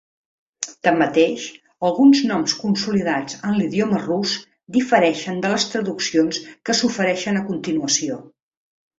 Tanmateix, alguns noms consolidats en l'idioma rus difereixen de les traduccions que s'ofereixen a continuació.